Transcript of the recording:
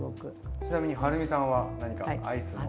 ちなみにはるみさんは何かアイスの。